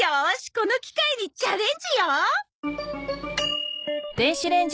この機会にチャレンジよ！